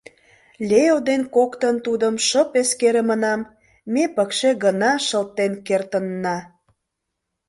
Лео ден коктын тудым шып эскерымынам ме пыкше гына шылтен кертынна.